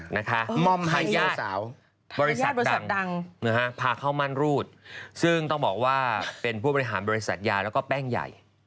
ม่อมไฮย่าสาวบริษัทดังนะฮะพาเข้ามั่นรูดซึ่งต้องบอกว่าเป็นผู้บริหารบริษัทยาแล้วก็แป้งใหญ่